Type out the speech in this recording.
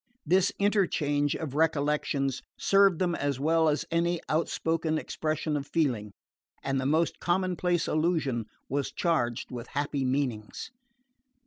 This interchange of recollections served them as well as any outspoken expression of feeling, and the most commonplace allusion was charged with happy meanings.